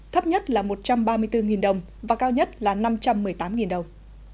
thấp nhất là một trăm ba mươi bốn đồng và cao nhất là năm trăm một mươi tám đồng